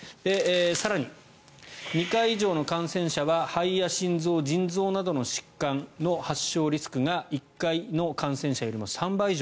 更に、２回以上の感染者は肺や心臓、腎臓など疾患の発症リスクが１回の感染者よりも３倍以上。